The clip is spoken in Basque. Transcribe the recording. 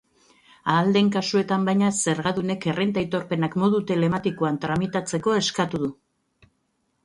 Ahal den kasuetan, baina, zergadunek errenta-aitorpenak modu telematikoan tramitatzeko eskatu du.